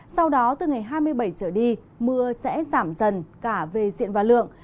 sau đó từ ngày hai mươi bảy trở đi mưa sẽ giảm dần cả về diện và lượng